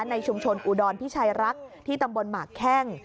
ในชุมชนอุดรพิชัยรักษ์ที่ตำบลหมากแข้ง